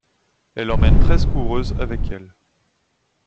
Elle emmène treize coureuses avec elles.